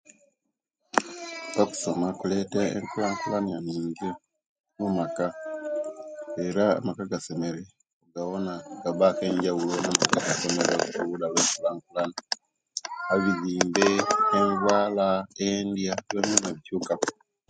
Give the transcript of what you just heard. Okusoma kuleta enkulankula nyingi mumaka era amaka agasomere ogawona gabaku enjawulo ku maka agataasomere oluda olwe'nkulankulana ebizimbe, envala, endia byonabyona bichuka ku